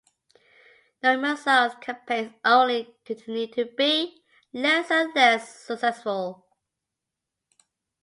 Norimasa's campaigns only continued to be less and less successful.